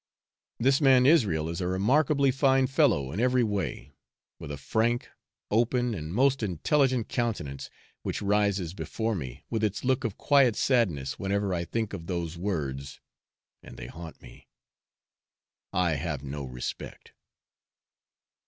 This man Israel is a remarkably fine fellow in every way, with a frank, open, and most intelligent countenance, which rises before me with its look of quiet sadness whenever I think of those words (and they haunt me), 'I have no prospect.'